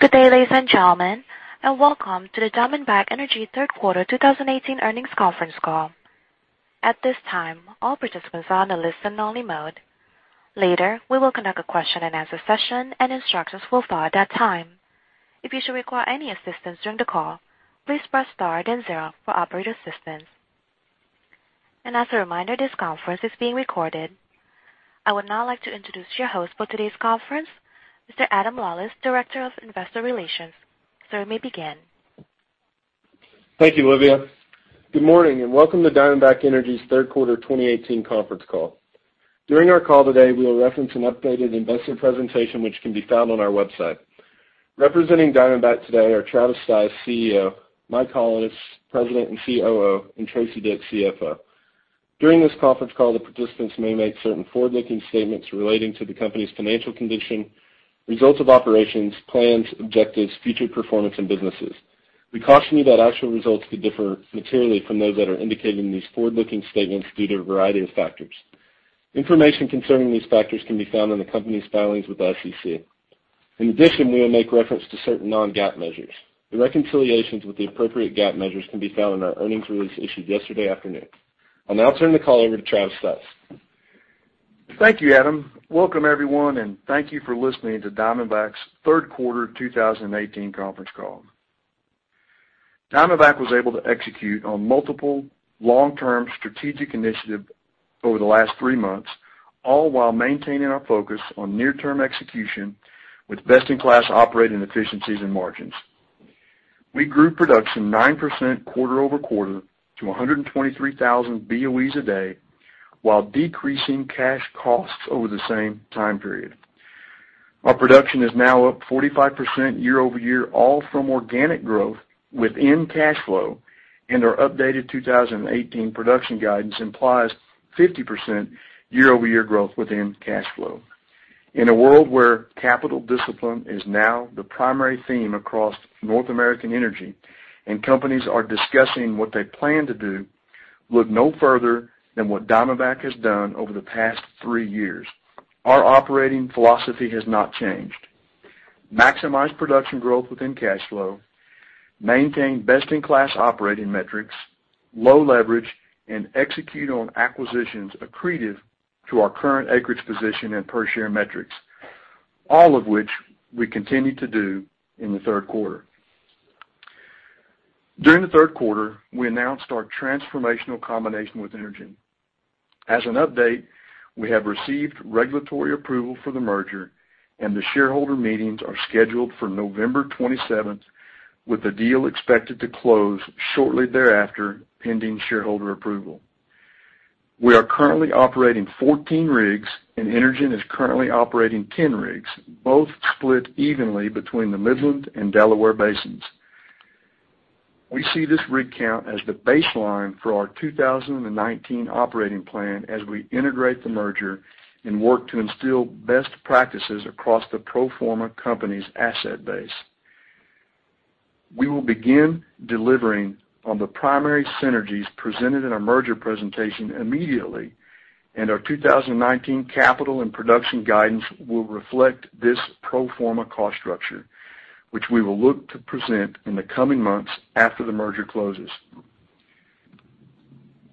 Good day, ladies and gentlemen, and welcome to the Diamondback Energy third quarter 2018 earnings conference call. At this time, all participants are on a listen only mode. Later, we will conduct a question and answer session and instructions will follow at that time. If you should require any assistance during the call, please press star then zero for operator assistance. As a reminder, this conference is being recorded. I would now like to introduce your host for today's conference, Mr. Adam Lawlis, Director of Investor Relations. Sir, you may begin. Thank you, Olivia. Good morning, and welcome to Diamondback Energy's third quarter 2018 conference call. During our call today, we will reference an updated investor presentation which can be found on our website. Representing Diamondback today are Travis Stice, CEO; Michael Hollis, President and COO; and Teresa Dick, CFO. During this conference call, the participants may make certain forward-looking statements relating to the company's financial condition, results of operations, plans, objectives, future performance and businesses. We caution you that actual results could differ materially from those that are indicated in these forward-looking statements due to a variety of factors. Information concerning these factors can be found in the company's filings with the SEC. We will make reference to certain non-GAAP measures. The reconciliations with the appropriate GAAP measures can be found in our earnings release issued yesterday afternoon. I'll now turn the call over to Travis Stice. Thank you, Adam. Welcome everyone, thank you for listening to Diamondback's third quarter 2018 conference call. Diamondback was able to execute on multiple long-term strategic initiative over the last three months, all while maintaining our focus on near-term execution with best-in-class operating efficiencies and margins. We grew production 9% quarter-over-quarter to 123,000 BOEs a day while decreasing cash costs over the same time period. Our production is now up 45% year-over-year, all from organic growth within cash flow, our updated 2018 production guidance implies 50% year-over-year growth within cash flow. In a world where capital discipline is now the primary theme across North American energy and companies are discussing what they plan to do, look no further than what Diamondback has done over the past three years. Our operating philosophy has not changed. Maximize production growth within cash flow, maintain best-in-class operating metrics, low leverage, execute on acquisitions accretive to our current acreage position and per share metrics. All of which we continued to do in the third quarter. During the third quarter, we announced our transformational combination with Energen. As an update, we have received regulatory approval for the merger, the shareholder meetings are scheduled for November 27th, with the deal expected to close shortly thereafter, pending shareholder approval. We are currently operating 14 rigs, Energen is currently operating 10 rigs, both split evenly between the Midland and Delaware basins. We see this rig count as the baseline for our 2019 operating plan as we integrate the merger and work to instill best practices across the pro forma company's asset base. We will begin delivering on the primary synergies presented in our merger presentation immediately. Our 2019 capital and production guidance will reflect this pro forma cost structure, which we will look to present in the coming months after the merger closes.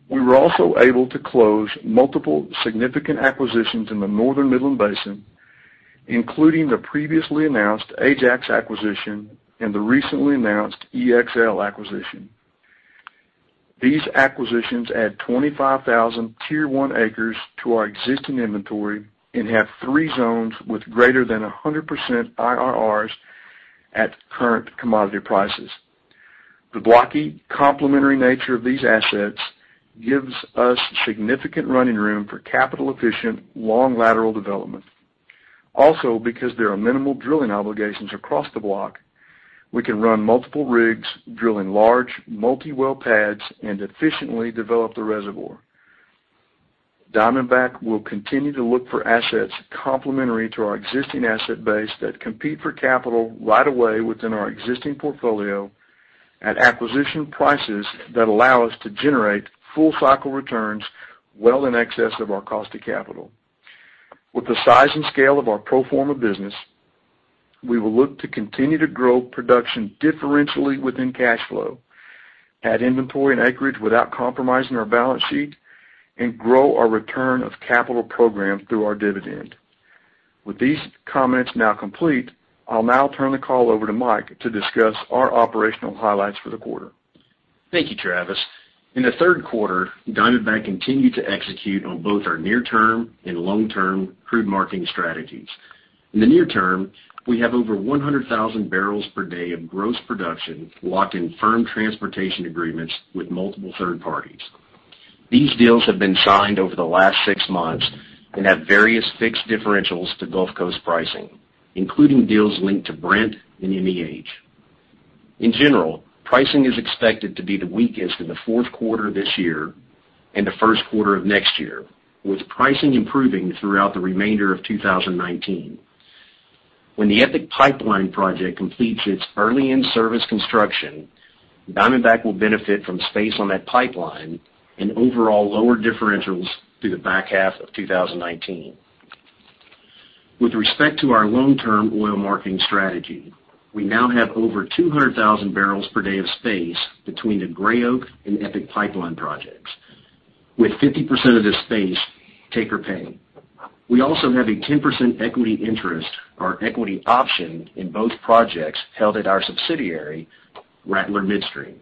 We were also able to close multiple significant acquisitions in the northern Midland Basin, including the previously announced Ajax acquisition and the recently announced ExL acquisition. These acquisitions add 25,000 Tier 1 acres to our existing inventory and have three zones with greater than 100% IRRs at current commodity prices. The blocky complementary nature of these assets gives us significant running room for capital efficient, long lateral development. Because there are minimal drilling obligations across the block, we can run multiple rigs, drilling large multi-well pads and efficiently develop the reservoir. Diamondback will continue to look for assets complementary to our existing asset base that compete for capital right away within our existing portfolio at acquisition prices that allow us to generate full cycle returns well in excess of our cost of capital. With the size and scale of our pro forma business, we will look to continue to grow production differentially within cash flow, add inventory and acreage without compromising our balance sheet, and grow our return of capital program through our dividend. With these comments now complete, I'll now turn the call over to Mike to discuss our operational highlights for the quarter. Thank you, Travis. In the third quarter, Diamondback continued to execute on both our near-term and long-term crude marketing strategies. In the near term, we have over 100,000 barrels per day of gross production locked in firm transportation agreements with multiple third parties. These deals have been signed over the last six months and have various fixed differentials to Gulf Coast pricing, including deals linked to Brent and MEH. In general, pricing is expected to be the weakest in the fourth quarter this year and the first quarter of next year, with pricing improving throughout the remainder of 2019. When the EPIC Pipeline project completes its early in-service construction, Diamondback will benefit from space on that pipeline and overall lower differentials through the back half of 2019. With respect to our long-term oil marketing strategy, we now have over 200,000 barrels per day of space between the Gray Oak and EPIC Pipeline projects, with 50% of this space take or pay. We also have a 10% equity interest or equity option in both projects held at our subsidiary, Rattler Midstream.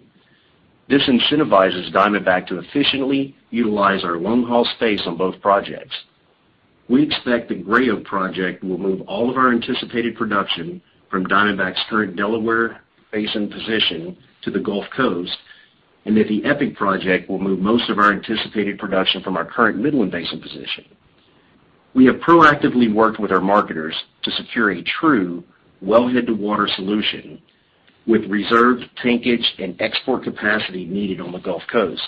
This incentivizes Diamondback to efficiently utilize our long-haul space on both projects. We expect the Gray Oak project will move all of our anticipated production from Diamondback's current Delaware Basin position to the Gulf Coast, and that the EPIC project will move most of our anticipated production from our current Midland Basin position. We have proactively worked with our marketers to secure a true wellhead-to-water solution with reserved tankage and export capacity needed on the Gulf Coast.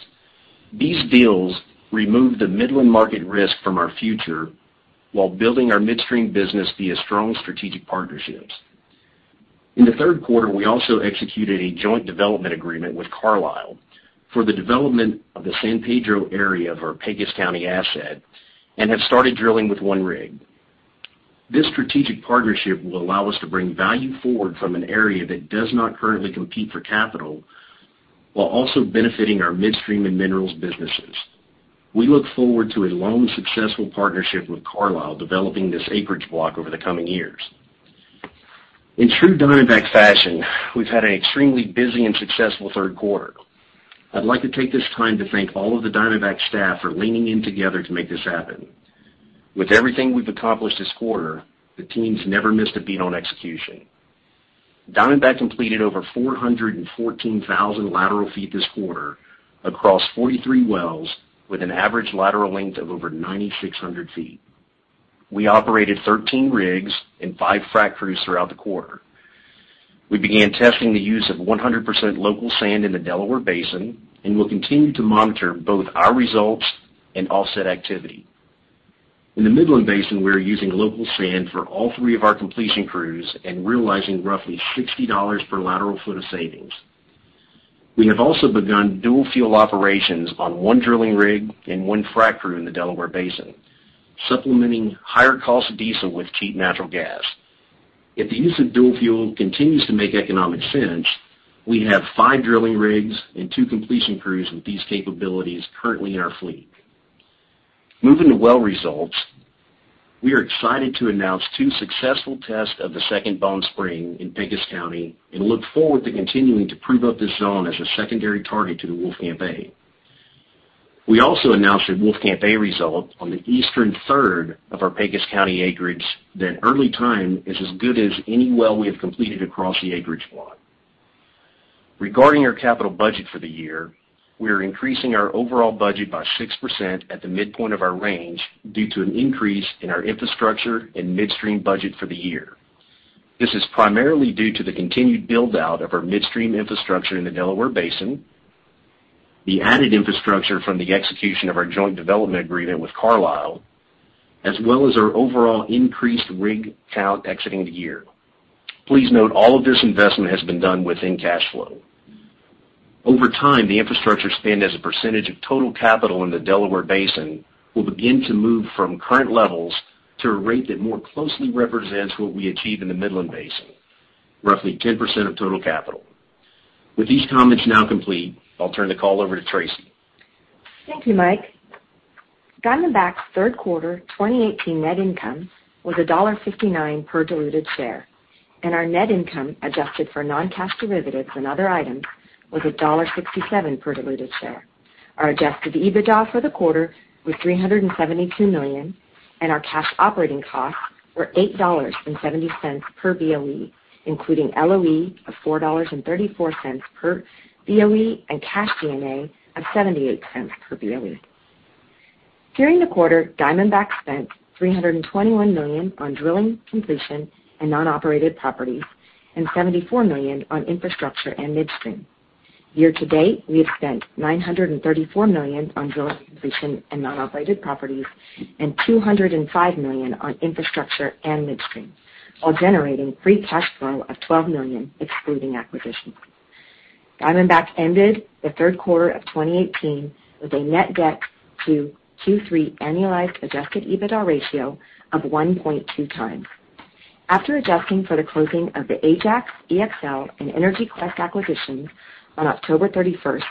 These deals remove the Midland market risk from our future while building our midstream business via strong strategic partnerships. In the third quarter, we also executed a joint development agreement with Carlisle for the development of the San Pedro area of our Pecos County asset and have started drilling with one rig. This strategic partnership will allow us to bring value forward from an area that does not currently compete for capital, while also benefiting our midstream and minerals businesses. We look forward to a long, successful partnership with Carlisle developing this acreage block over the coming years. In true Diamondback fashion, we've had an extremely busy and successful third quarter. I'd like to take this time to thank all of the Diamondback staff for leaning in together to make this happen. With everything we've accomplished this quarter, the teams never missed a beat on execution. Diamondback completed over 414,000 lateral feet this quarter across 43 wells with an average lateral length of over 9,600 feet. We operated 13 rigs and five frac crews throughout the quarter. We began testing the use of 100% local sand in the Delaware Basin and will continue to monitor both our results and offset activity. In the Midland Basin, we are using local sand for all three of our completion crews and realizing roughly $60 per lateral foot of savings. We have also begun dual-fuel operations on one drilling rig and one frac crew in the Delaware Basin, supplementing higher cost diesel with cheap natural gas. If the use of dual fuel continues to make economic sense, we have five drilling rigs and two completion crews with these capabilities currently in our fleet. Moving to well results, we are excited to announce two successful tests of the Second Bone Spring in Pecos County and look forward to continuing to prove up this zone as a secondary target to the Wolfcamp A. We also announced a Wolfcamp A result on the eastern third of our Pecos County acreage that early time is as good as any well we have completed across the acreage block. Regarding our capital budget for the year, we are increasing our overall budget by 6% at the midpoint of our range due to an increase in our infrastructure and midstream budget for the year. This is primarily due to the continued build-out of our midstream infrastructure in the Delaware Basin, the added infrastructure from the execution of our joint development agreement with Carlisle, as well as our overall increased rig count exiting the year. Please note all of this investment has been done within cash flow. Over time, the infrastructure spend as a percentage of total capital in the Delaware Basin will begin to move from current levels to a rate that more closely represents what we achieve in the Midland Basin, roughly 10% of total capital. With these comments now complete, I'll turn the call over to Teresa. Thank you, Mike. Diamondback's third quarter 2018 net income was $1.59 per diluted share, and our net income, adjusted for non-cash derivatives and other items, was $1.67 per diluted share. Our adjusted EBITDA for the quarter was $372 million, and our cash operating costs were $8.70 per BOE, including LOE of $4.34 per BOE and cash G&A of $0.78 per BOE. During the quarter, Diamondback spent $321 million on drilling completion in non-operated properties and $74 million on infrastructure and midstream. Year to date, we have spent $934 million on drilling completion and non-operated properties and $205 million on infrastructure and midstream, while generating free cash flow of $12 million excluding acquisitions. Diamondback ended the third quarter of 2018 with a net debt to Q3 annualized adjusted EBITDA ratio of 1.2 times. After adjusting for the closing of the Ajax, ExL, and EnergyQuest acquisitions on October 31st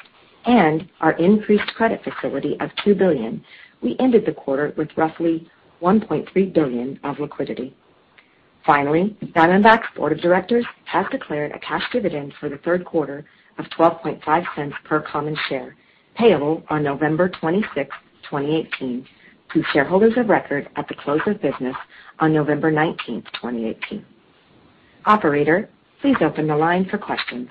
and our increased credit facility of $2 billion, we ended the quarter with roughly $1.3 billion of liquidity. Finally, Diamondback's board of directors has declared a cash dividend for the third quarter of $0.125 per common share, payable on November 26th, 2018, to shareholders of record at the close of business on November 19th, 2018. Operator, please open the line for questions.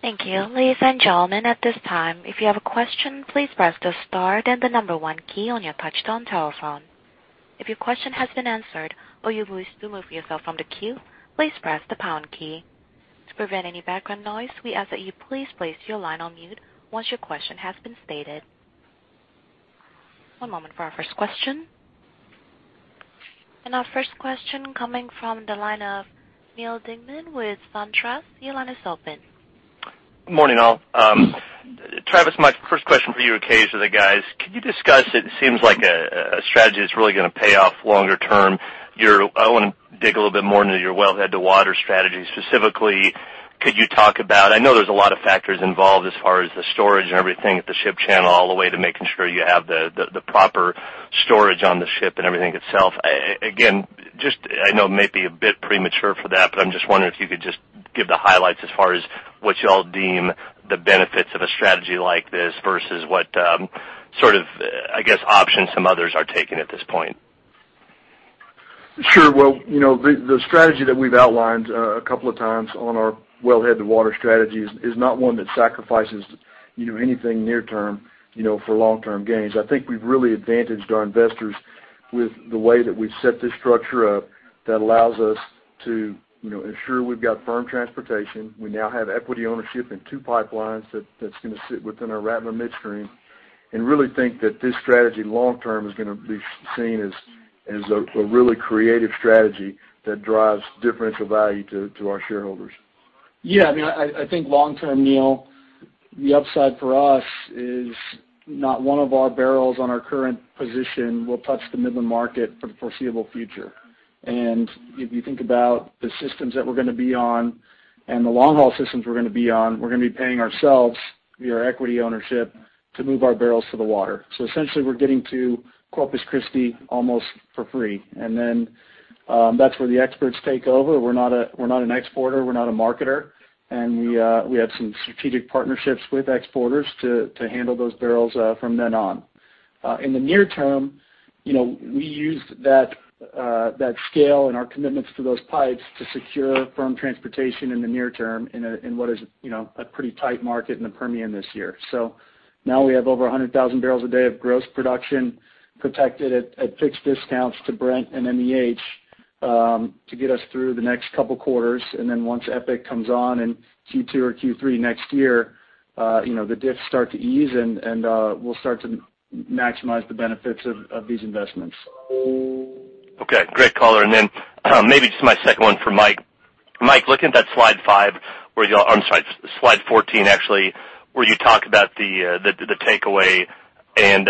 Thank you. Ladies and gentlemen, at this time, if you have a question, please press the star then the number 1 key on your touchtone telephone. If your question has been answered or you wish to remove yourself from the queue, please press the pound key. To prevent any background noise, we ask that you please place your line on mute once your question has been stated. One moment for our first question. Our first question coming from the line of Neal Dingmann with SunTrust. Your line is open. Good morning, all. Travis, my first question for you occasionally, guys. Can you discuss, it seems like a strategy that's really going to pay off longer term. I want to dig a little bit more into your Wellhead to Water Strategy. Specifically, could you talk about I know there's a lot of factors involved as far as the storage and everything at the ship channel, all the way to making sure you have the proper storage on the ship and everything itself. Again, I know it may be a bit premature for that, I'm just wondering if you could just give the highlights as far as what you all deem the benefits of a strategy like this versus what options some others are taking at this point. Sure. Well, the strategy that we've outlined a couple of times on our Wellhead to Water Strategy is not one that sacrifices anything near term, for long-term gains. I think we've really advantaged our investors with the way that we've set this structure up that allows us to ensure we've got firm transportation. We now have equity ownership in two pipelines that's going to sit within our Rattler Midstream, really think that this strategy long term is going to be seen as a really creative strategy that drives differential value to our shareholders. Yeah. I think long term, Neal, the upside for us is not one of our barrels on our current position will touch the Midland market for the foreseeable future. If you think about the systems that we're going to be on and the long-haul systems we're going to be on, we're going to be paying ourselves via our equity ownership to move our barrels to the water. Essentially, we're getting to Corpus Christi almost for free. Then, that's where the experts take over. We're not an exporter. We're not a marketer. We have some strategic partnerships with exporters to handle those barrels from then on. In the near term, we used that scale and our commitments to those pipes to secure firm transportation in the near term in what is a pretty tight market in the Permian this year. Now we have over 100,000 barrels a day of gross production protected at fixed discounts to Brent and MEH to get us through the next couple quarters. Once EPIC comes on in Q2 or Q3 next year, the diffs start to ease and we'll start to maximize the benefits of these investments. Okay. Great call. Then maybe just my second one for Mike. Mike, looking at that slide five where I'm sorry, slide 14 actually, where you talk about the takeaway and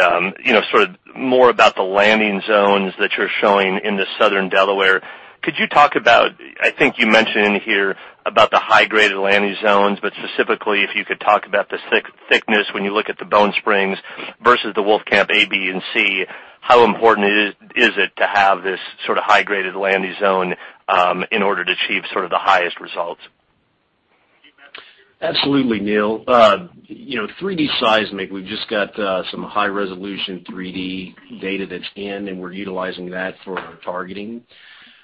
more about the landing zones that you're showing in the Southern Delaware. Could you talk about, I think you mentioned in here about the high-graded landing zones, but specifically if you could talk about the thickness when you look at the Bone Spring versus the Wolfcamp A, B, and C, how important is it to have this high-graded landing zone in order to achieve the highest results? Absolutely, Neal. 3D seismic, we've just got some high-resolution 3D data that's in, we're utilizing that for our targeting.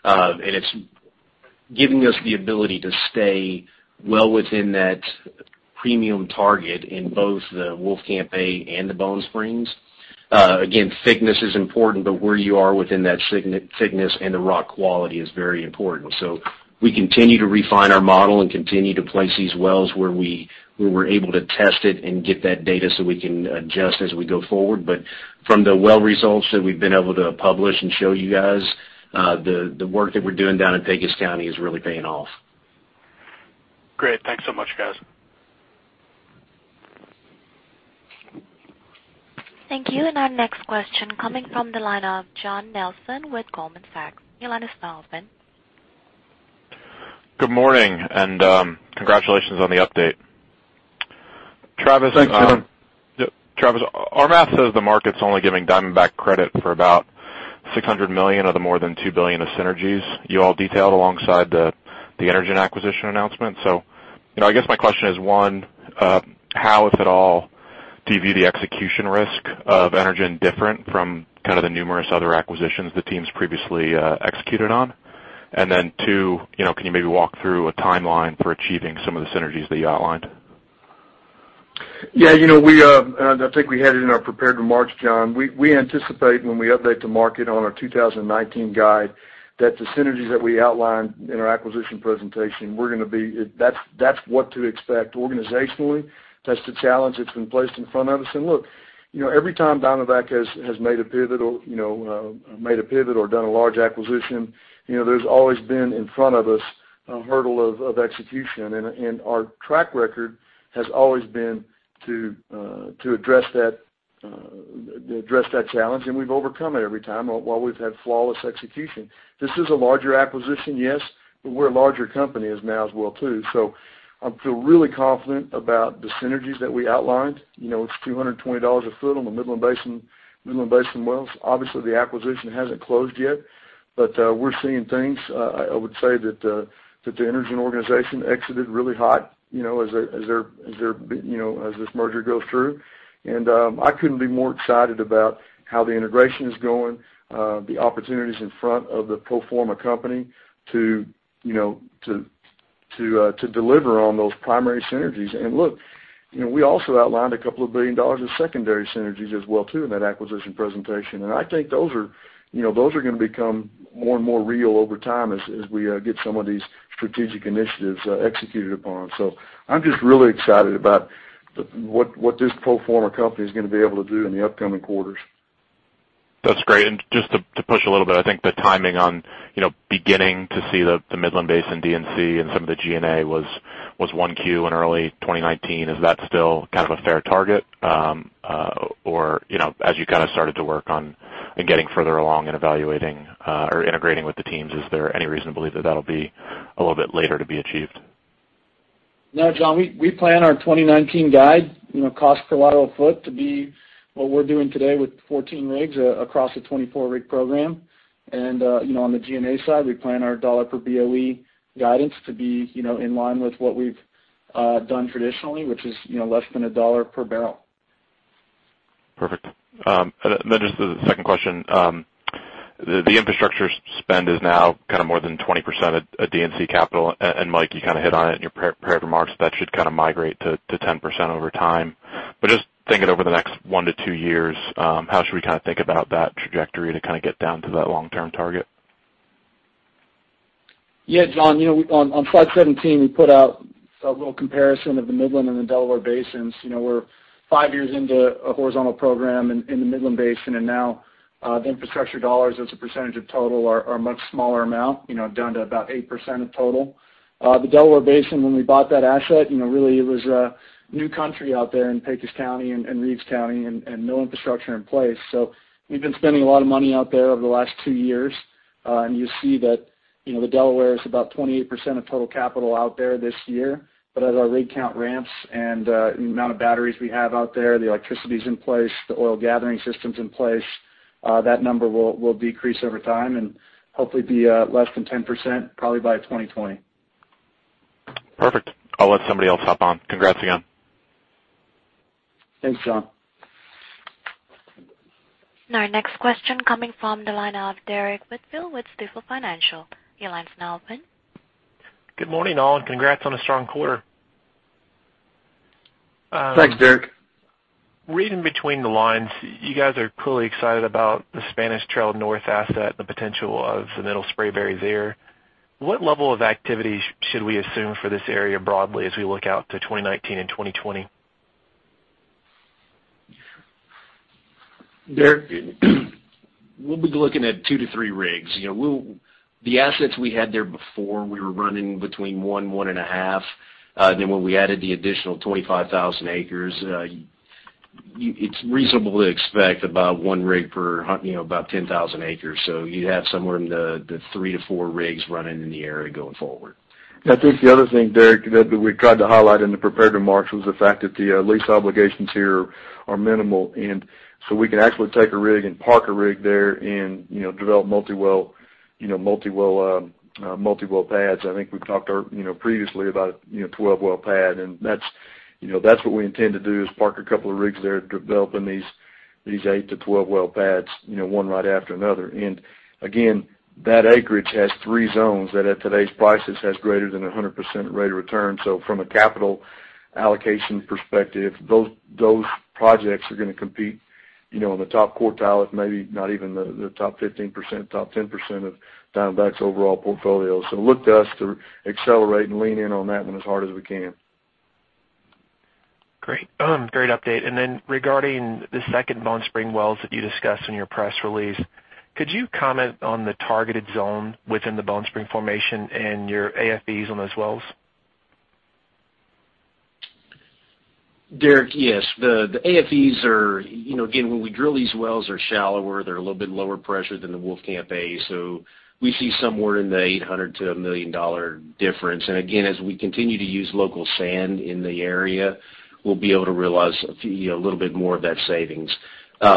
It's giving us the ability to stay well within that premium target in both the Wolfcamp A and the Bone Spring. Again, thickness is important, but where you are within that thickness and the rock quality is very important. We continue to refine our model and continue to place these wells where we're able to test it and get that data so we can adjust as we go forward. From the well results that we've been able to publish and show you guys, the work that we're doing down in Pecos County is really paying off. Great. Thanks so much, guys. Thank you. Our next question coming from the line of John Nelson with Goldman Sachs. Your line is now open. Good morning, congratulations on the update. Thanks, John. Travis, our math says the market's only giving Diamondback credit for about $600 million of the more than $2 billion of synergies you all detailed alongside the Energen acquisition announcement. I guess my question is, one, how, if at all, do you view the execution risk of Energen different from the numerous other acquisitions the team's previously executed on? Two, can you maybe walk through a timeline for achieving some of the synergies that you outlined? Yeah. I think we had it in our prepared remarks, John. We anticipate when we update to market on our 2019 guide that the synergies that we outlined in our acquisition presentation, that's what to expect. Organizationally, that's the challenge that's been placed in front of us. Look, every time Diamondback has made a pivot or done a large acquisition, there's always been in front of us a hurdle of execution. Our track record has always been to address that challenge, and we've overcome it every time while we've had flawless execution. This is a larger acquisition, yes, but we're a larger company as now as well, too. I feel really confident about the synergies that we outlined. It's $220 a foot on the Midland Basin wells. Obviously, the acquisition hasn't closed yet, but we're seeing things. I would say that the Energen organization exited really hot as this merger goes through. I couldn't be more excited about how the integration is going, the opportunities in front of the pro forma company to deliver on those primary synergies. Look, we also outlined $2 billion of secondary synergies as well too, in that acquisition presentation. I think those are going to become more and more real over time as we get some of these strategic initiatives executed upon. I'm just really excited about what this pro forma company is going to be able to do in the upcoming quarters. That's great. Just to push a little bit, I think the timing on beginning to see the Midland Basin D&C and some of the G&A was Q1 in early 2019. Is that still kind of a fair target? As you started to work on and getting further along and evaluating or integrating with the teams, is there any reason to believe that that'll be a little bit later to be achieved? No, John, we plan our 2019 guide, cost per lateral foot to be what we're doing today with 14 rigs across the 24-rig program. On the G&A side, we plan our $ per BOE guidance to be in line with what we've done traditionally, which is less than a $ per barrel. Perfect. Just the second question. The infrastructure spend is now more than 20% at D&C capital. Mike, you hit on it in your prepared remarks, that should migrate to 10% over time. Just thinking over the next 1 to 2 years, how should we think about that trajectory to get down to that long-term target? Yeah, John, on slide 17, we put out a little comparison of the Midland and the Delaware Basin. We're five years into a horizontal program in the Midland Basin. Now the infrastructure dollars as a percentage of total are a much smaller amount, down to about 8% of total. The Delaware Basin, when we bought that asset, really it was a new country out there in Pecos County and Reeves County. No infrastructure in place. We've been spending a lot of money out there over the last two years. You see that the Delaware is about 28% of total capital out there this year. As our rig count ramps and the amount of batteries we have out there, the electricity is in place, the oil gathering system's in place, that number will decrease over time and hopefully be less than 10%, probably by 2020. Perfect. I'll let somebody else hop on. Congrats again. Thanks, John. Our next question coming from the line of Derrick Whitfield with Stifel Financial. Your line's now open. Good morning, all, congrats on a strong quarter. Thanks, Derrick. Reading between the lines, you guys are clearly excited about the Spanish Trail North asset and the potential of the Middle Spraberry there. What level of activity should we assume for this area broadly as we look out to 2019 and 2020? Derrick, we'll be looking at two to three rigs. The assets we had there before, we were running between one and a half. When we added the additional 25,000 acres, it's reasonable to expect about one rig per about 10,000 acres. You'd have somewhere in the three to four rigs running in the area going forward. I think the other thing, Derrick, that we tried to highlight in the prepared remarks was the fact that the lease obligations here are minimal, and so we can actually take a rig and park a rig there and develop multi-well pads. I think we've talked previously about a 12-well pad, and that's what we intend to do is park a couple of rigs there developing these 8-12 well pads one right after another. Again, that acreage has three zones that at today's prices has greater than 100% rate of return. From a capital allocation perspective, those projects are going to compete in the top quartile, if maybe not even the top 15%, top 10% of Diamondback's overall portfolio. Look to us to accelerate and lean in on that one as hard as we can. Great. Great update. Regarding the Second Bone Spring wells that you discussed in your press release, could you comment on the targeted zone within the Bone Spring formation and your AFEs on those wells? Derrick, yes. The AFEs are, again, when we drill these wells, are shallower. They're a little bit lower pressure than the Wolfcamp A. We see somewhere in the $800-$1 million difference. Again, as we continue to use local sand in the area, we'll be able to realize a little bit more of that savings. As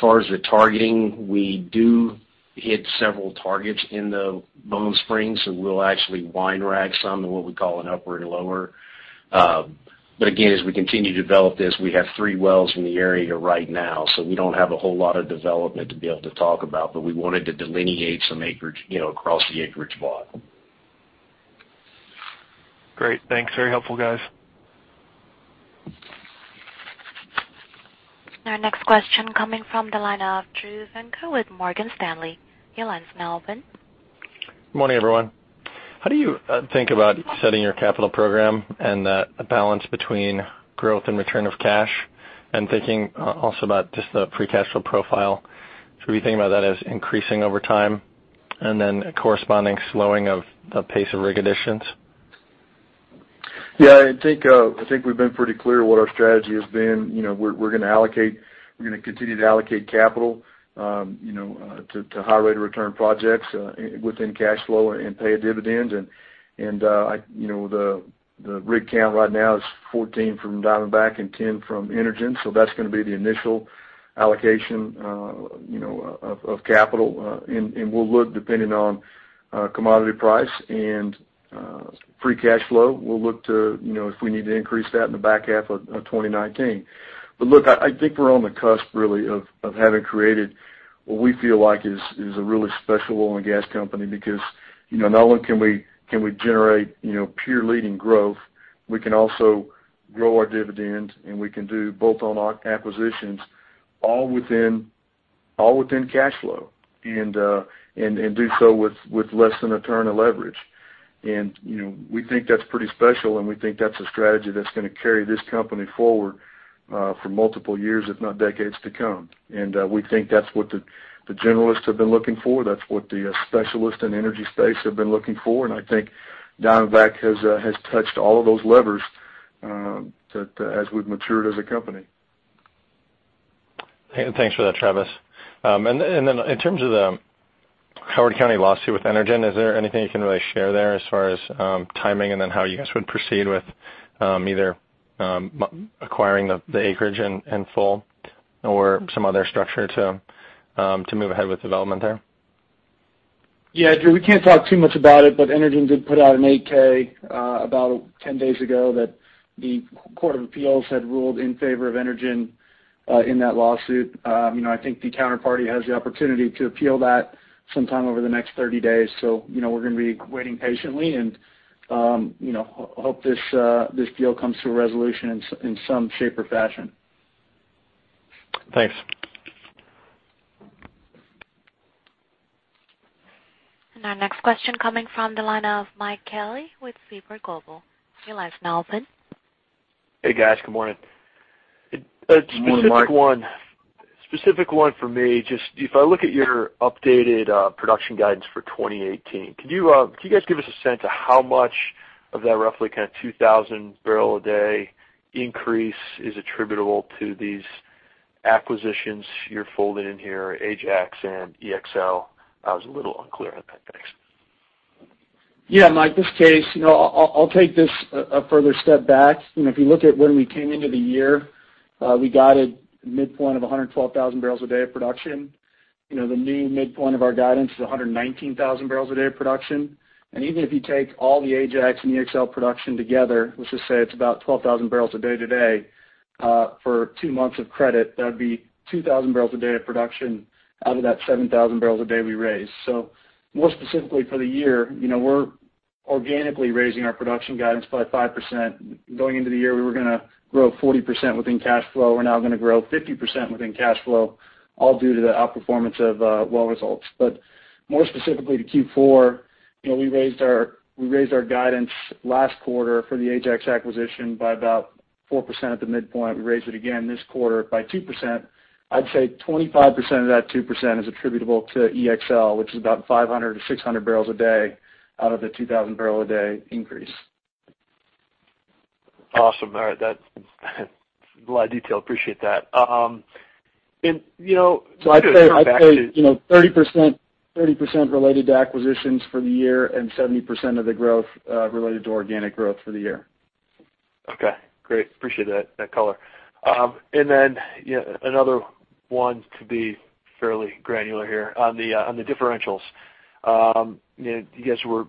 far as the targeting, we do hit several targets in the Bone Spring, so we'll actually wine rack some in what we call an upward and lower. Again, as we continue to develop this, we have three wells in the area right now, so we don't have a whole lot of development to be able to talk about, but we wanted to delineate some acreage across the acreage plot. Great. Thanks. Very helpful, guys. Our next question coming from the line of Drew Poffel with Morgan Stanley. Your line's now open. Good morning, everyone. How do you think about setting your capital program and the balance between growth and return of cash and thinking also about just the free cash flow profile? Should we think about that as increasing over time and then a corresponding slowing of the pace of rig additions? Yeah, I think we've been pretty clear what our strategy has been. We're going to continue to allocate capital to high rate of return projects within cash flow and pay a dividend. The rig count right now is 14 from Diamondback and 10 from Energen. That's going to be the initial allocation of capital. We'll look depending on commodity price and free cash flow, we'll look to if we need to increase that in the back half of 2019. Look, I think we're on the cusp really of having created what we feel like is a really special oil and gas company because not only can we generate peer-leading growth, we can also grow our dividend, and we can do both on our acquisitions all within cash flow, and do so with less than a turn of leverage. We think that's pretty special, and we think that's a strategy that's going to carry this company forward for multiple years, if not decades to come. We think that's what the generalists have been looking for. That's what the specialists in energy space have been looking for. I think Diamondback has touched all of those levers as we've matured as a company. Thanks for that, Travis. In terms of the Howard County lawsuit with Energen, is there anything you can really share there as far as timing, and then how you guys would proceed with either acquiring the acreage in full or some other structure to move ahead with development there? Yeah, Drew, we can't talk too much about it. Energen did put out an 8-K about 10 days ago that the Court of Appeals had ruled in favor of Energen in that lawsuit. I think the counterparty has the opportunity to appeal that sometime over the next 30 days. We're going to be waiting patiently and hope this deal comes to a resolution in some shape or fashion. Thanks. Our next question coming from the line of Mike Kelly with Seaport Global Securities. Your line's now open. Hey, guys. Good morning. Good morning, Mike. A specific one for me. Just if I look at your updated production guidance for 2018, could you guys give us a sense of how much of that roughly 2,000 barrel a day increase is attributable to these acquisitions you're folding in here, Ajax and ExL? I was a little unclear on that. Thanks. Yeah, Mike, this Kaes, I'll take this a further step back. If you look at when we came into the year, we guided midpoint of 112,000 barrels a day of production. The new midpoint of our guidance is 119,000 barrels a day of production. Even if you take all the Ajax and ExL production together, let's just say it's about 12,000 barrels a day today for two months of credit, that would be 2,000 barrels a day of production out of that 7,000 barrels a day we raised. More specifically for the year, we're organically raising our production guidance by 5%. Going into the year, we were going to grow 40% within cash flow. We're now going to grow 50% within cash flow, all due to the outperformance of well results. More specifically to Q4, we raised our guidance last quarter for the Ajax acquisition by about 4% at the midpoint. We raised it again this quarter by 2%. I'd say 25% of that 2% is attributable to ExL, which is about 500 barrels a day-600 barrels a day out of the 2,000 barrel a day increase. Awesome. All right. That's a lot of detail. Appreciate that. I'd say 30% related to acquisitions for the year and 70% of the growth related to organic growth for the year. Okay, great. Appreciate that color. Another one to be fairly granular here. On the differentials, you guys were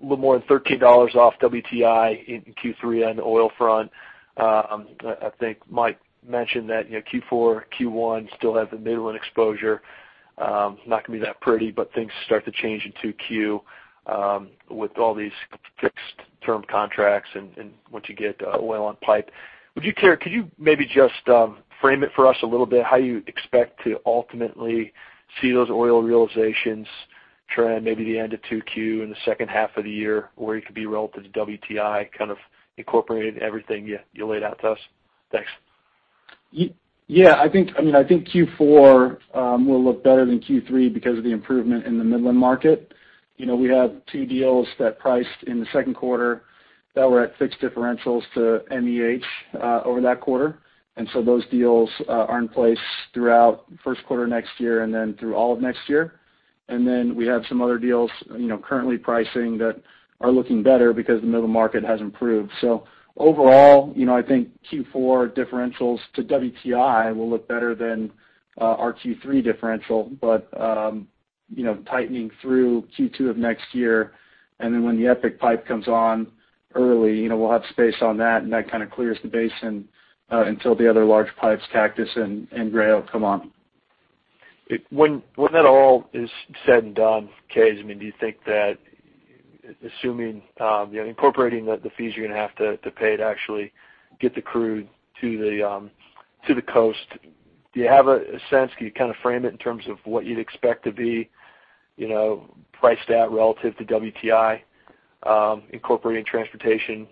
a little more than $13 off WTI in Q3 on the oil front. I think Mike mentioned that Q4, Q1 still have the Midland exposure. Not going to be that pretty, but things start to change in 2Q with all these fixed-term contracts and once you get oil on pipe. Could you maybe just frame it for us a little bit, how you expect to ultimately see those oil realizations trend, maybe the end of 2Q and the second half of the year, where you could be relative to WTI, incorporating everything you laid out to us? Thanks. Yeah. I think Q4 will look better than Q3 because of the improvement in the Midland market. We have two deals that priced in the second quarter that were at fixed differentials to MEH over that quarter. Those deals are in place throughout first quarter next year and through all of next year. We have some other deals currently pricing that are looking better because the Midland market has improved. Overall, I think Q4 differentials to WTI will look better than our Q3 differential, but tightening through Q2 of next year. When the EPIC pipe comes on early, we'll have space on that, and that kind of clears the basin until the other large pipes, Cactus and Gray Oak, come on. When that all is said and done, K, do you think that incorporating the fees you're going to have to pay to actually get the crude to the coast, do you have a sense, can you frame it in terms of what you'd expect to be priced at relative to WTI, incorporating transportation?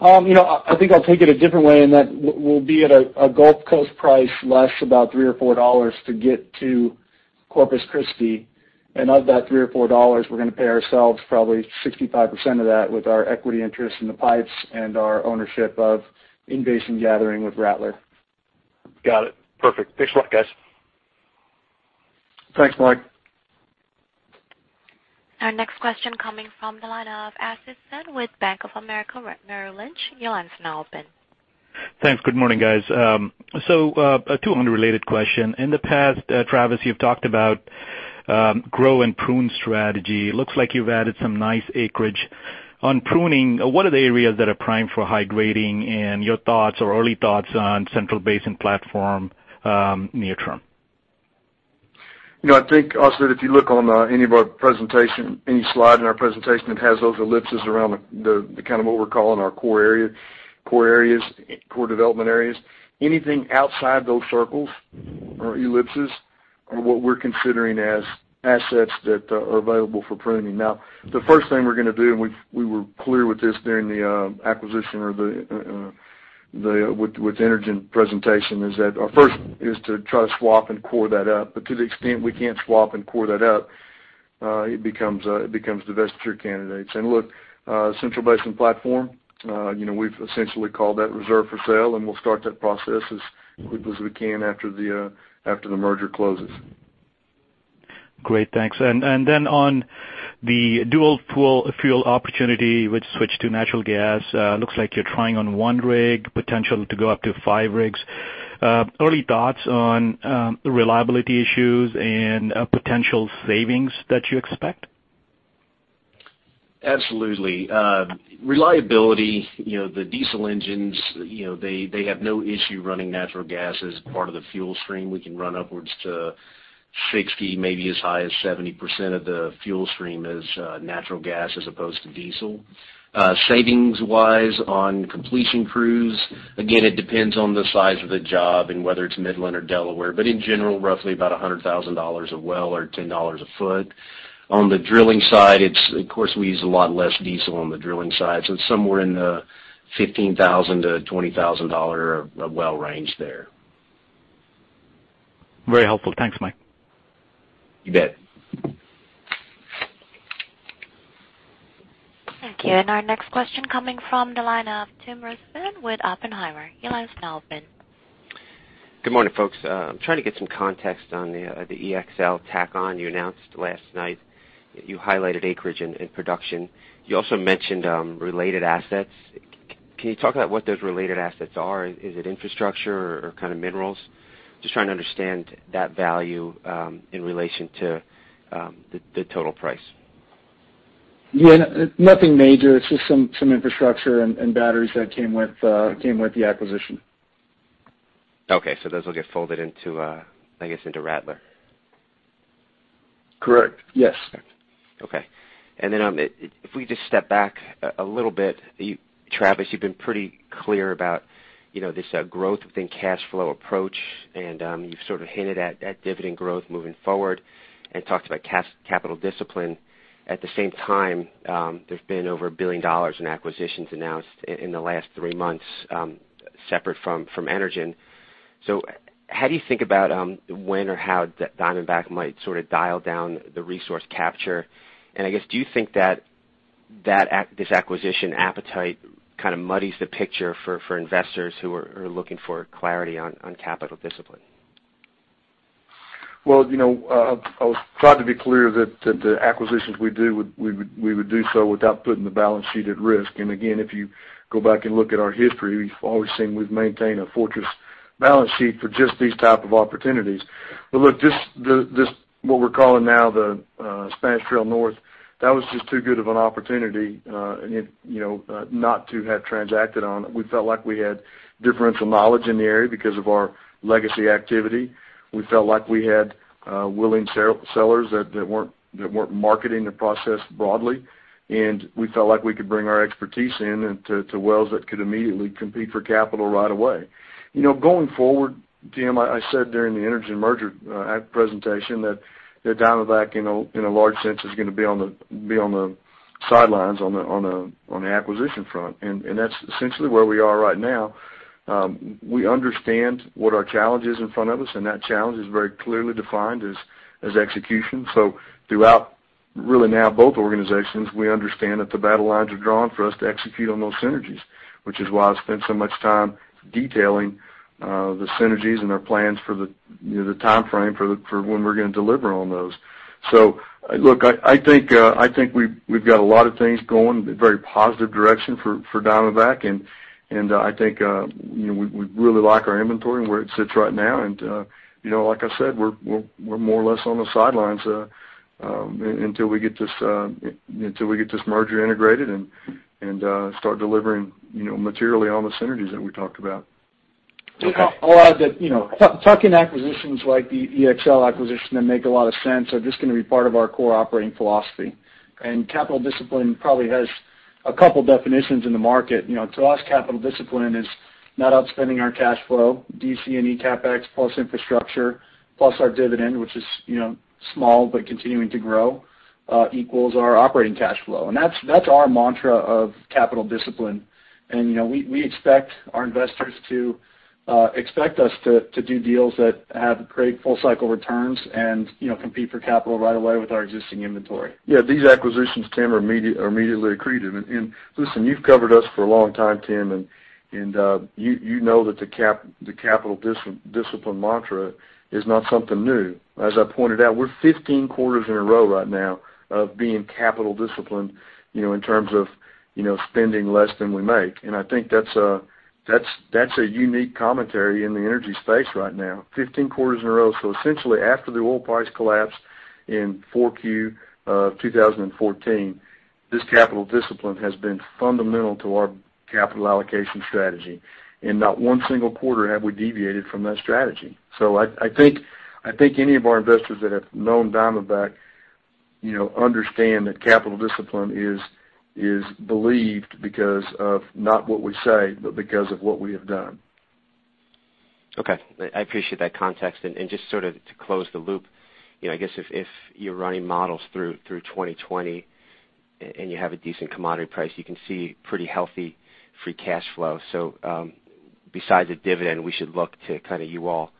I think I'll take it a different way in that we'll be at a Gulf Coast price less about $3 or $4 to get to Corpus Christi. Of that $3 or $4, we're going to pay ourselves probably 65% of that with our equity interest in the pipes and our ownership of in-basin gathering with Rattler. Got it. Perfect. Thanks a lot, guys. Thanks, Mike. Our next question coming from the line of Asad Syed with Bank of America Merrill Lynch. Your line's now open. Thanks. Good morning, guys. A 200 related question. In the past, Travis, you've talked about grow and prune strategy. Looks like you've added some nice acreage. On pruning, what are the areas that are primed for high grading and your thoughts or early thoughts on Central Basin Platform near-term? I think also that if you look on any of our presentation, any slide in our presentation that has those ellipses around the, what we're calling our core areas, core development areas. Anything outside those circles or ellipses are what we're considering as assets that are available for pruning. Now, the first thing we're going to do, and we were clear with this during the acquisition or with the Energen presentation, is that our first is to try to swap and core that out. To the extent we can't swap and core that out, it becomes divestiture candidates. Look, Central Basin Platform, we've essentially called that reserve for sale, and we'll start that process as quickly as we can after the merger closes. Great, thanks. On the dual fuel opportunity, which switched to natural gas, looks like you're trying on one rig, potential to go up to five rigs. Early thoughts on reliability issues and potential savings that you expect? Absolutely. Reliability, the diesel engines, they have no issue running natural gas as part of the fuel stream. We can run upwards to 60%, maybe as high as 70% of the fuel stream as natural gas as opposed to diesel. Savings wise on completion crews, again, it depends on the size of the job and whether it's Midland or Delaware. In general, roughly about $100,000 a well or $10 a foot. On the drilling side, of course, we use a lot less diesel on the drilling side, so it's somewhere in the $15,000 to $20,000 a well range there. Very helpful. Thanks, Mike. You bet. Thank you. Our next question coming from the line of Tim Rezvan with Oppenheimer. Your line's now open. Good morning, folks. I'm trying to get some context on the ExL tack on you announced last night. You highlighted acreage and production. You also mentioned related assets. Can you talk about what those related assets are? Is it infrastructure or kind of minerals? Just trying to understand that value in relation to the total price. Yeah. Nothing major, it's just some infrastructure and batteries that came with the acquisition. Okay. Those will get folded into, I guess, into Rattler. Correct. Yes. Okay. If we just step back a little bit, Travis, you've been pretty clear about this growth within cash flow approach, and you've sort of hinted at dividend growth moving forward and talked about capital discipline. At the same time, there've been over $1 billion in acquisitions announced in the last 3 months, separate from Energen. How do you think about when or how Diamondback Energy might sort of dial down the resource capture? I guess, do you think that this acquisition appetite kind of muddies the picture for investors who are looking for clarity on capital discipline? Well, I was proud to be clear that the acquisitions we do, we would do so without putting the balance sheet at risk. Again, if you go back and look at our history, you've always seen we've maintained a fortress balance sheet for just these type of opportunities. Look, this, what we're calling now the Spanish Trail North, that was just too good of an opportunity not to have transacted on it. We felt like we had differential knowledge in the area because of our legacy activity. We felt like we had willing sellers that weren't marketing the process broadly, and we felt like we could bring our expertise in to wells that could immediately compete for capital right away. Going forward, Tim, I said during the Energen merger presentation that Diamondback Energy, in a large sense, is going to be on the sidelines on the acquisition front, and that's essentially where we are right now. We understand what our challenge is in front of us, and that challenge is very clearly defined as execution. Throughout, really now both organizations, we understand that the battle lines are drawn for us to execute on those synergies, which is why I spent so much time detailing the synergies and our plans for the timeframe for when we're going to deliver on those. Look, I think we've got a lot of things going very positive direction for Diamondback Energy, and I think we really like our inventory and where it sits right now. Like I said, we're more or less on the sidelines until we get this merger integrated and start delivering materially on the synergies that we talked about. I'll add that tuck-in acquisitions like the ExL acquisition that make a lot of sense are just going to be part of our core operating philosophy. Capital discipline probably has a couple definitions in the market. To us, capital discipline is not outspending our cash flow. DC&E CapEx plus infrastructure plus our dividend, which is small but continuing to grow, equals our operating cash flow. That's our mantra of capital discipline. We expect our investors to expect us to do deals that have great full-cycle returns and compete for capital right away with our existing inventory. Yeah, these acquisitions, Tim, are immediately accretive. Listen, you've covered us for a long time, Tim, and you know that the capital discipline mantra is not something new. As I pointed out, we're 15 quarters in a row right now of being capital disciplined, in terms of spending less than we make. I think that's a unique commentary in the energy space right now, 15 quarters in a row. Essentially, after the oil price collapse in 4Q of 2014, this capital discipline has been fundamental to our capital allocation strategy. In not one single quarter have we deviated from that strategy. I think any of our investors that have known Diamondback understand that capital discipline is believed because of not what we say, but because of what we have done. Okay. I appreciate that context. Just sort of to close the loop, I guess if you're running models through 2020 and you have a decent commodity price, you can see pretty healthy free cash flow. Besides a dividend, we should look to you all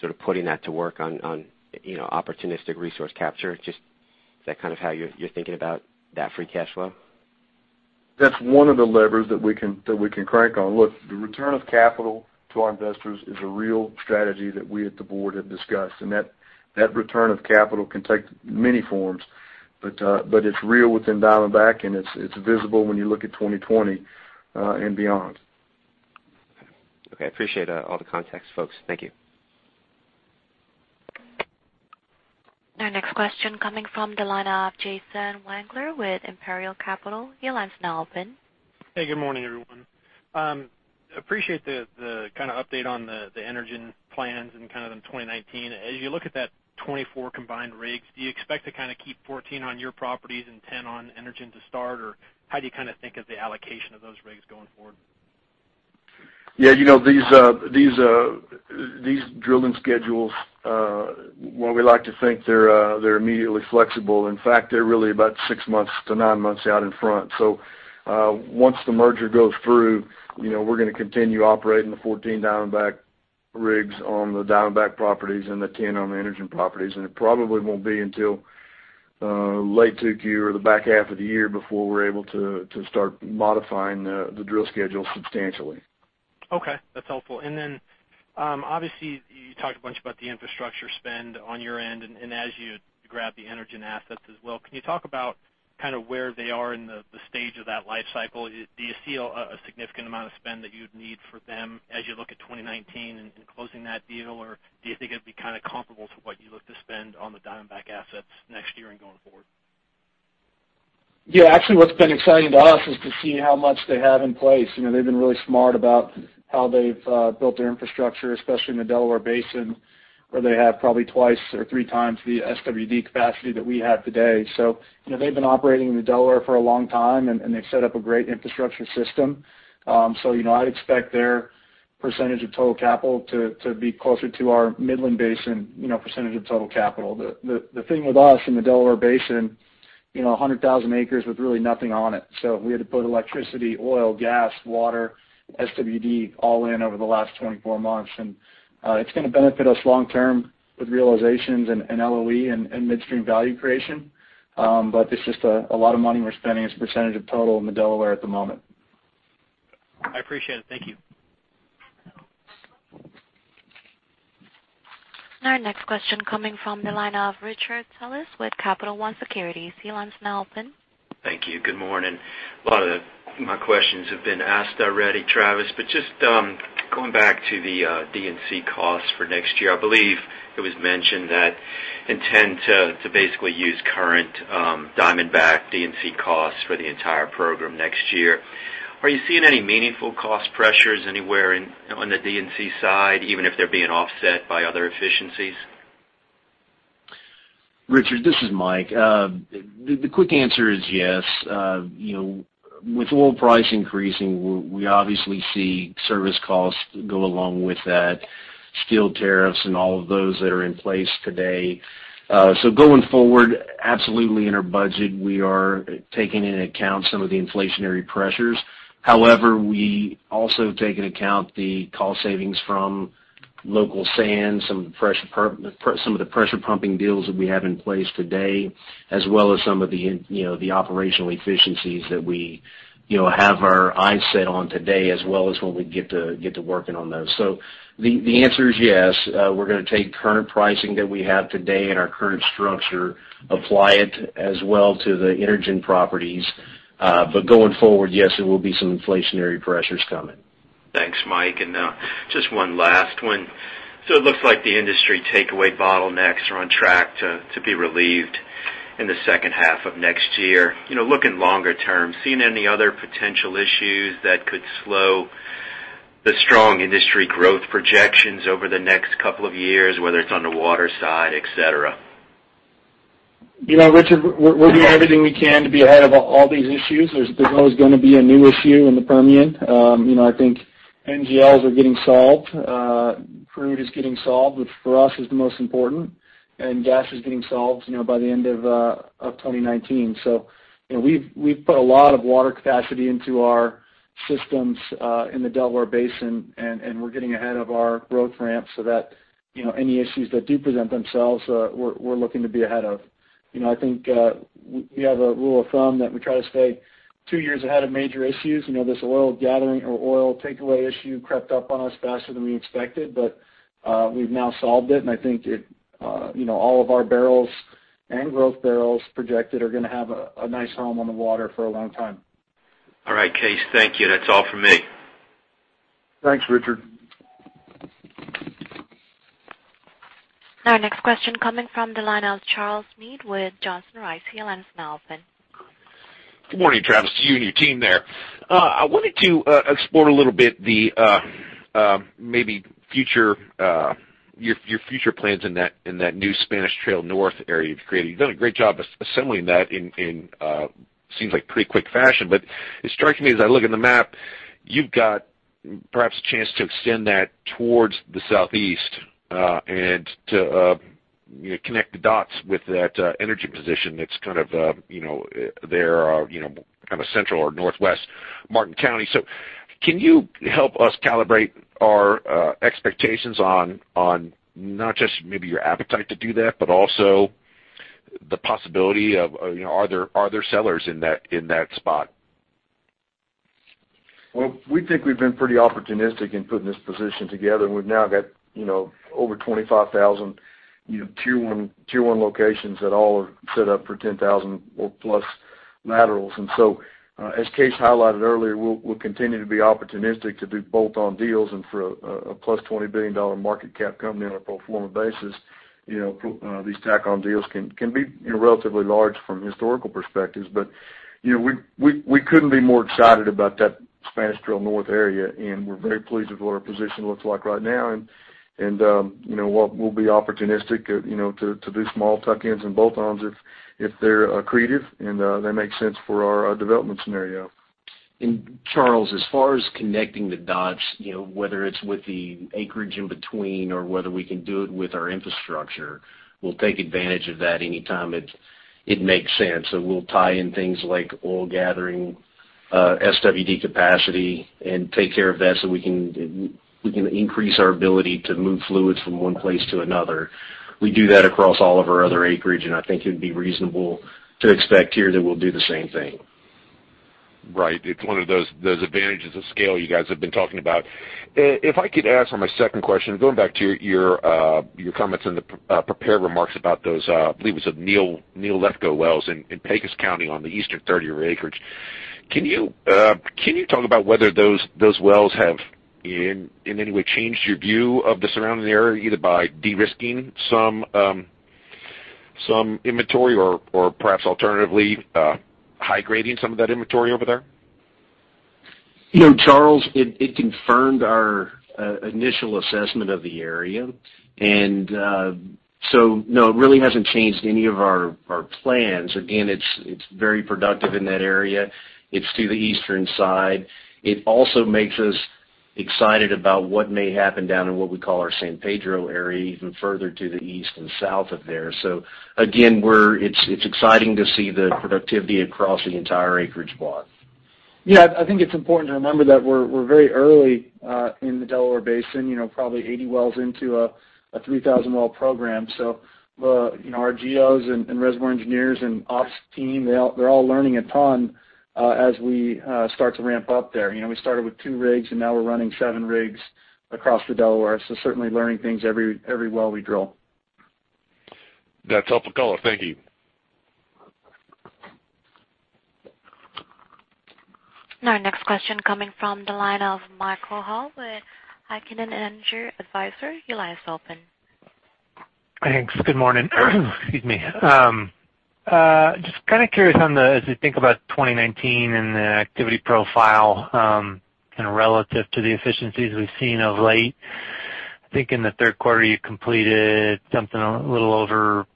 sort of putting that to work on opportunistic resource capture. Is that kind of how you're thinking about that free cash flow? That's one of the levers that we can crank on. Look, the return of capital to our investors is a real strategy that we at the board have discussed, that return of capital can take many forms, but it's real within Diamondback, it's visible when you look at 2020 and beyond. Okay. Appreciate all the context, folks. Thank you. Our next question coming from the line of Jason Wangler with Imperial Capital. Your line's now open. Hey, good morning, everyone. Appreciate the update on the Energen plans and kind of on 2019. As you look at that 24 combined rigs, do you expect to keep 14 on your properties and 10 on Energen to start, or how do you think of the allocation of those rigs going forward? Yeah. These drilling schedules, while we like to think they're immediately flexible, in fact, they're really about six months to nine months out in front. Once the merger goes through, we're going to continue operating the 14 Diamondback rigs on the Diamondback properties and the 10 on the Energen properties. It probably won't be until late 2Q or the back half of the year before we're able to start modifying the drill schedule substantially. Okay, that's helpful. Obviously, you talked a bunch about the infrastructure spend on your end and as you grab the Energen assets as well. Can you talk about where they are in the stage of that life cycle? Do you see a significant amount of spend that you'd need for them as you look at 2019 and closing that deal, or do you think it'd be comparable to what you look to spend on the Diamondback assets next year and going forward? Actually, what's been exciting to us is to see how much they have in place. They've been really smart about how they've built their infrastructure, especially in the Delaware Basin, where they have probably twice or three times the SWD capacity that we have today. They've been operating in the Delaware for a long time, and they've set up a great infrastructure system. I'd expect their percentage of total capital to be closer to our Midland Basin percentage of total capital. The thing with us in the Delaware Basin, 100,000 acres with really nothing on it. We had to put electricity, oil, gas, water, SWD all in over the last 24 months. It's going to benefit us long term with realizations and LOE and midstream value creation. It's just a lot of money we're spending as a percentage of total in the Delaware at the moment. I appreciate it. Thank you. Our next question coming from the line of Phillips Johnston with Capital One Securities. Your line's now open. Thank you. Good morning. A lot of my questions have been asked already, Travis. Just going back to the D&C costs for next year, I believe it was mentioned that intend to basically use current Diamondback D&C costs for the entire program next year. Are you seeing any meaningful cost pressures anywhere on the D&C side, even if they're being offset by other efficiencies? Richard, this is Mike. The quick answer is yes. With oil price increasing, we obviously see service costs go along with that, steel tariffs and all of those that are in place today. Going forward, absolutely, in our budget, we are taking into account some of the inflationary pressures. However, we also take into account the cost savings from local sand, some of the pressure pumping deals that we have in place today, as well as some of the operational efficiencies that we have our eyes set on today, as well as when we get to working on those. The answer is yes. We're going to take current pricing that we have today and our current structure, apply it as well to the Energen properties. Going forward, yes, there will be some inflationary pressures coming. Thanks, Mike. Just one last one. It looks like the industry takeaway bottlenecks are on track to be relieved in the second half of next year. Looking longer term, seeing any other potential issues that could slow the strong industry growth projections over the next couple of years, whether it's on the water side, et cetera? Richard, we're doing everything we can to be ahead of all these issues. There's always going to be a new issue in the Permian. I think NGLs are getting solved. Crude is getting solved, which for us is the most important, and gas is getting solved by the end of 2019. We've put a lot of water capacity into our systems in the Delaware Basin, and we're getting ahead of our growth ramp so that any issues that do present themselves, we're looking to be ahead of. I think we have a rule of thumb that we try to stay two years ahead of major issues. This oil gathering or oil takeaway issue crept up on us faster than we expected. We've now solved it, and I think all of our barrels and growth barrels projected are going to have a nice home on the water for a long time. All right, Kaes, thank you. That's all from me. Thanks, Richard. Our next question coming from the line of Charles Meade with Johnson Rice. Your line is now open. Good morning, Travis, to you and your team there. I wanted to explore a little bit maybe your future plans in that new Spanish Trail North area you've created. You've done a great job assembling that in what seems like pretty quick fashion. It strikes me as I look at the map, you've got perhaps a chance to extend that towards the southeast, and to connect the dots with that energy position that's there, central or northwest Martin County. Can you help us calibrate our expectations on not just maybe your appetite to do that, but also the possibility of, are there sellers in that spot? We think we've been pretty opportunistic in putting this position together, and we've now got over 25,000 Tier 1 locations that all are set up for 10,000 oil plus laterals. As Kaes highlighted earlier, we'll continue to be opportunistic to do bolt-on deals and for a plus $20 billion market cap company on a pro forma basis. These tack-on deals can be relatively large from historical perspectives. We couldn't be more excited about that Spanish Trail North area, and we're very pleased with what our position looks like right now. We'll be opportunistic to do small tuck-ins and bolt-ons if they're accretive, and they make sense for our development scenario. Charles, as far as connecting the dots, whether it's with the acreage in between or whether we can do it with our infrastructure, we'll take advantage of that anytime it makes sense. We'll tie in things like oil gathering, SWD capacity, and take care of that so we can increase our ability to move fluids from one place to another. We do that across all of our other acreage, and I think it would be reasonable to expect here that we'll do the same thing. Right. It's one of those advantages of scale you guys have been talking about. If I could ask on my second question, going back to your comments in the prepared remarks about those, I believe it was Neal Lethco wells in Pecos County on the eastern third of your acreage. Can you talk about whether those wells have in any way changed your view of the surrounding area, either by de-risking some inventory or perhaps alternatively high-grading some of that inventory over there? Charles, it confirmed our initial assessment of the area. No, it really hasn't changed any of our plans. Again, it's very productive in that area. It's to the eastern side. It also makes us excited about what may happen down in what we call our San Pedro area, even further to the east and south of there. Again, it's exciting to see the productivity across the entire acreage block. Yeah, I think it's important to remember that we're very early in the Delaware Basin, probably 80 wells into a 3,000-well program. Our geos and reservoir engineers and ops team, they're all learning a ton as we start to ramp up there. We started with two rigs, and now we're running seven rigs across the Delaware. Certainly learning things every well we drill. That's helpful color. Thank you. Our next question coming from the line of Michael Hall with Heikkinen Energy Advisors. Your line is open. Thanks. Good morning. Excuse me. Just kind of curious as we think about 2019 and the activity profile, relative to the efficiencies we've seen of late. I think in the third quarter, you completed something a little over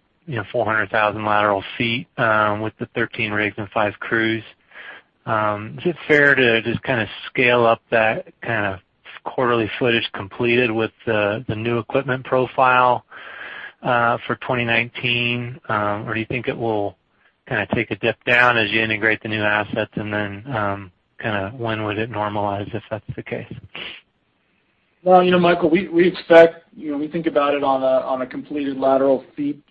400,000 lateral feet with the 13 rigs and five crews. Is it fair to just scale up that kind of quarterly footage completed with the new equipment profile for 2019? Or do you think it will take a dip down as you integrate the new assets? Then when would it normalize if that's the case? Well, Michael, we think about it on a completed lateral feet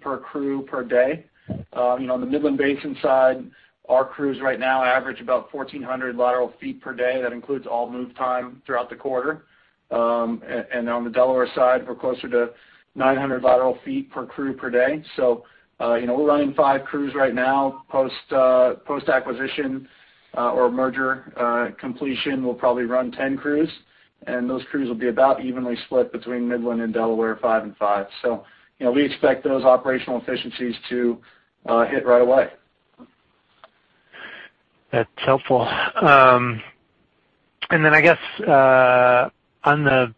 per crew per day. On the Midland Basin side, our crews right now average about 1,400 lateral feet per day. That includes all move time throughout the quarter. On the Delaware side, we're closer to 900 lateral feet per crew per day. We're running five crews right now. Post-acquisition or merger completion, we'll probably run 10 crews, and those crews will be about evenly split between Midland and Delaware, five and five. We expect those operational efficiencies to hit right away. That's helpful. Then I guess, on the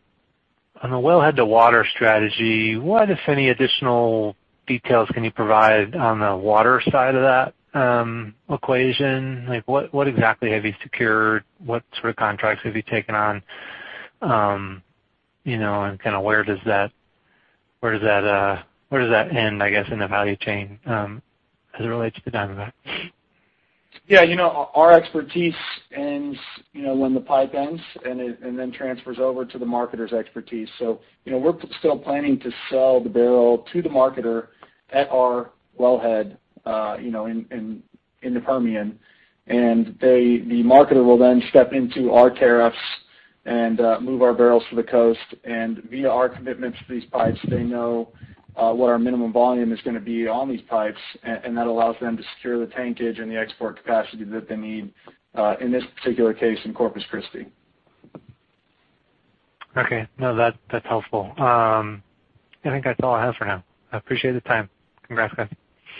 wellhead-to-water strategy, what, if any, additional details can you provide on the water side of that equation? What exactly have you secured? What sort of contracts have you taken on? Where does that end, I guess, in the value chain as it relates to Diamondback? Yeah. Our expertise ends when the pipe ends, then transfers over to the marketer's expertise. We are still planning to sell the barrel to the marketer at our wellhead in the Permian. The marketer will then step into our tariffs and move our barrels to the coast. Via our commitments to these pipes, they know what our minimum volume is going to be on these pipes, and that allows them to secure the tankage and the export capacity that they need, in this particular case, in Corpus Christi. Okay. No, that is helpful. I think that is all I have for now. I appreciate the time. Congrats, guys.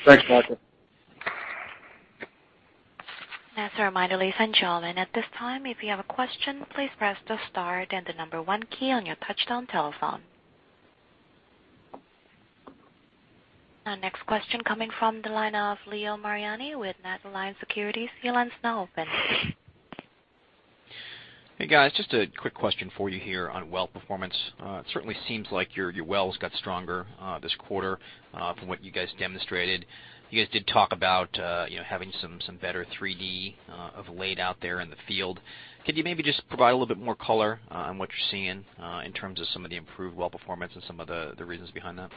Thanks, Michael. As a reminder, ladies and gentlemen, at this time, if you have a question, please press the star and the number 1 key on your touchtone telephone. Our next question coming from the line of Leo Mariani with NatAlliance Securities. Your line is now open. Hey, guys. Just a quick question for you here on well performance. It certainly seems like your wells got stronger this quarter from what you guys demonstrated. You guys did talk about having some better 3D laid out there in the field. Could you maybe just provide a little bit more color on what you're seeing in terms of some of the improved well performance and some of the reasons behind that?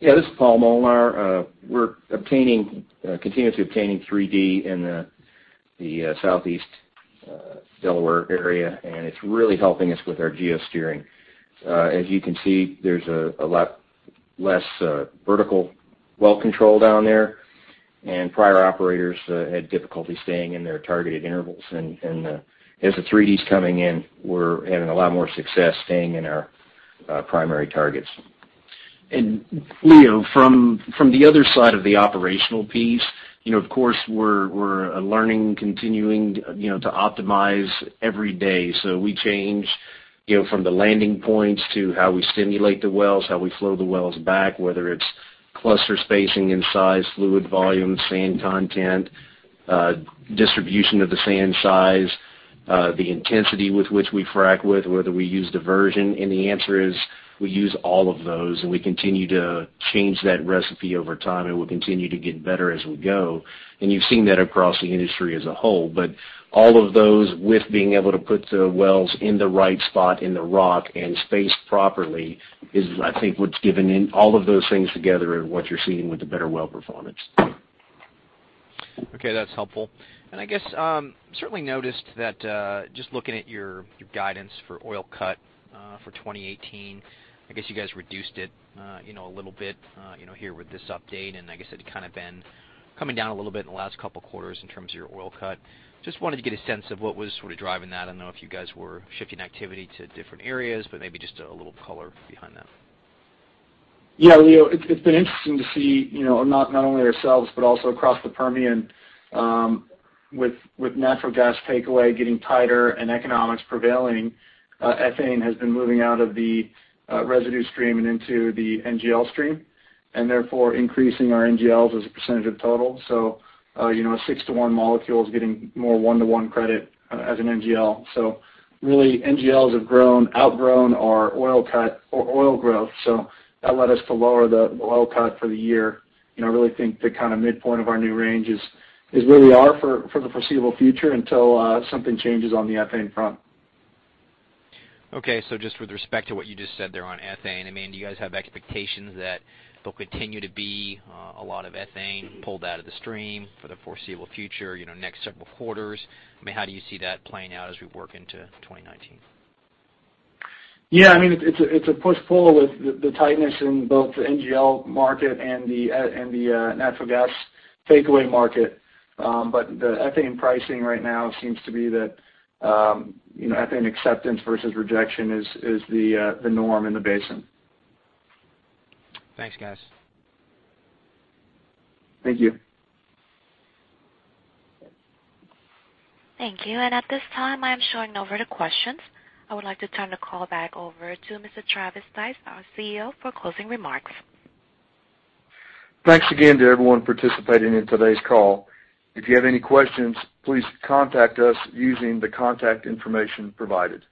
Yeah, this is Paul Molnar. We're continuing to obtaining 3D in the Southeast Delaware area, and it's really helping us with our geo-steering. As you can see, there's a lot less vertical well control down there, prior operators had difficulty staying in their targeted intervals. As the 3D's coming in, we're having a lot more success staying in our primary targets. Leo, from the other side of the operational piece, of course, we're learning, continuing to optimize every day. We change from the landing points to how we stimulate the wells, how we flow the wells back, whether it's cluster spacing and size, fluid volume, sand content, distribution of the sand size, the intensity with which we frack with, whether we use diversion. The answer is we use all of those, and we continue to change that recipe over time, and we'll continue to get better as we go. You've seen that across the industry as a whole. All of those with being able to put the wells in the right spot in the rock and spaced properly is, I think, what's given in all of those things together and what you're seeing with the better well performance. Okay, that's helpful. I guess, certainly noticed that just looking at your guidance for oil cut for 2018, I guess you guys reduced it a little bit here with this update, and I guess it had kind of been coming down a little bit in the last couple of quarters in terms of your oil cut. Just wanted to get a sense of what was sort of driving that. I don't know if you guys were shifting activity to different areas, but maybe just a little color behind that. Yeah, Leo, it's been interesting to see, not only ourselves but also across the Permian, with natural gas takeaway getting tighter and economics prevailing, ethane has been moving out of the residue stream and into the NGL stream, and therefore increasing our NGLs as a percentage of total. A six-to-one molecule is getting more one-to-one credit as an NGL. Really, NGLs have outgrown our oil growth. That led us to lower the oil cut for the year. I really think the midpoint of our new range is where we are for the foreseeable future until something changes on the ethane front. Okay, just with respect to what you just said there on ethane, do you guys have expectations that there'll continue to be a lot of ethane pulled out of the stream for the foreseeable future, next several quarters? How do you see that playing out as we work into 2019? Yeah, it's a push-pull with the tightness in both the NGL market and the natural gas takeaway market. The ethane pricing right now seems to be that ethane acceptance versus rejection is the norm in the basin. Thanks, guys. Thank you. Thank you. At this time, I'm showing no further questions. I would like to turn the call back over to Mr. Travis Stice, our CEO, for closing remarks. Thanks again to everyone participating in today's call. If you have any questions, please contact us using the contact information provided.